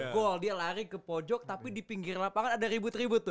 gol dia lari ke pojok tapi di pinggir lapangan ada ribut ribut tuh